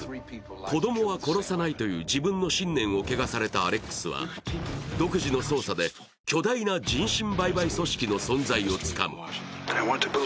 子供は殺さないという自分の信念を汚されたアレックスは独自の捜査で巨大な人身売買組織の存在をつかむ。